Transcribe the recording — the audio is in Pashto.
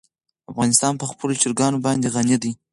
افغانستان په خپلو چرګانو باندې غني دی.